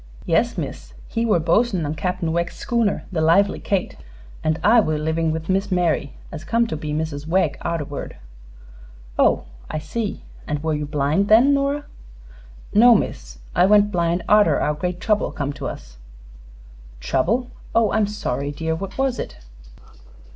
"Yes, miss. He were bos'n on Cap'n Wegg's schooner the 'Lively Kate,' an' I were livin' with Miss Mary, as come to be Mrs. Wegg arterward." "Oh, I see. And were you blind then, Nora?" "No, miss. I went blind arter our great trouble come to us." "Trouble? Oh, I'm so sorry, dear. What was it?"